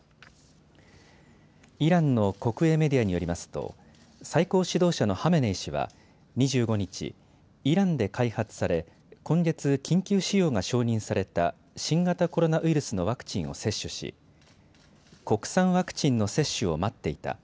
イランの国営メディアによりますと最高指導者のハメネイ師は２５日、イランで開発され今月、緊急使用が承認された新型コロナウイルスのワクチンを接種し国産ワクチンの接種を待っていた。